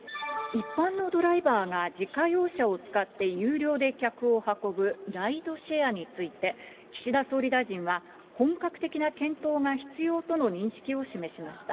一般のドライバーが自家用車を使って有料で客を運ぶライドシェアについて、岸田総理大臣は、本格的な検討が必要との認識を示しました。